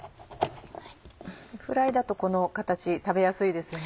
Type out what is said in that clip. フライだとこの形食べやすいですよね。